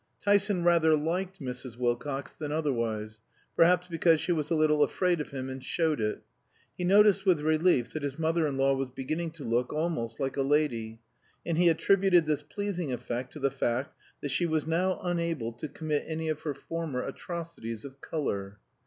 Tyson rather liked Mrs. Wilcox than otherwise (perhaps because she was a little afraid of him and showed it); he noticed with relief that his mother in law was beginning to look almost like a lady, and he attributed this pleasing effect to the fact that she was now unable to commit any of her former atrocities of color.